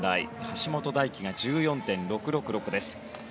橋本大輝が１４．６６６です。